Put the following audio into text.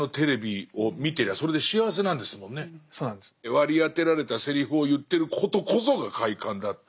割り当てられたセリフを言ってることこそが快感だって。